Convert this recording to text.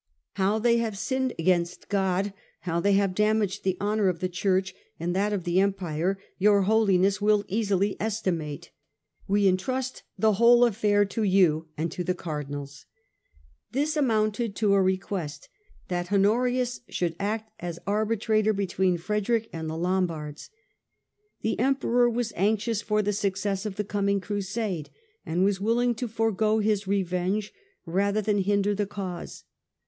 How they have sinned against God, how they have damaged the honour of the Church and that of the Empire, your Holiness will easily estimate. We entrust the whole affair to you and to the Cardinals." This amounted to a request that Honorius should act as arbitrator between Frederick and the Lombards. The Emperor was anxious for the success of the coming Crusade, and was willing to forego his revenge rather than hinder the cause.